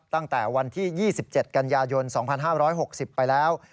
ตั้งแต่วันที่๒๗กันยายน๒๕๖๐ไปแล้ว